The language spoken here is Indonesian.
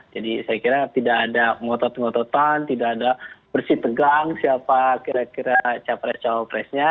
jadi saya kira tidak ada ngotot ngototan tidak ada bersih tegang siapa kira kira cawapres cawapresnya